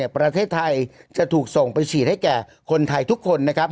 ประเทศไทยจะถูกส่งไปฉีดให้แก่คนไทยทุกคนนะครับ